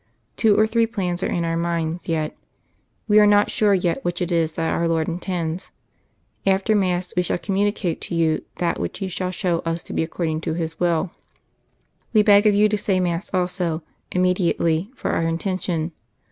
Two or three plans are in our mind, yet We are not sure yet which it is that our Lord intends. After mass We shall communicate to you that which He shall show Us to be according to His Will. We beg of you to say mass also, immediately, for Our intention.